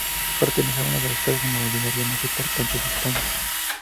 Pertenece a una de las casas nobiliarias más importantes de España.